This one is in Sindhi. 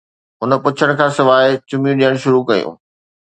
هُن پڇڻ کان سواءِ چميون ڏيڻ شروع ڪيون